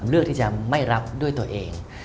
เลือกที่จะไม่รับด้วยตัวเอง